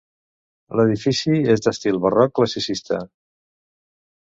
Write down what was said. L'edifici és d'estil barroc classicista.